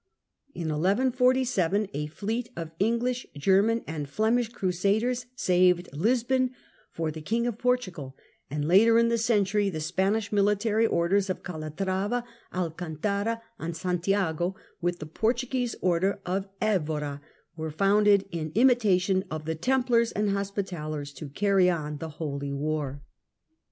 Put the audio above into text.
In 1147 a fleet of English, German and castiie, the Flemish Crusaders saved Lisbon for the King of Portugal, '^^^^^26 and later in the century the Spanish Military Orders of 1157 Calatrava, Alcantara and Santiago, with the Portuguese Order of Evora, were founded, in imitation of the Templars and Hospitallers, to carry on the Holy War.